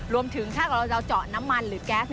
รวมถึงถ้าเราเจาะน้ำมันหรือแก๊ส